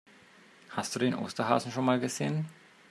Hast du den Osterhasen schon einmal gesehen?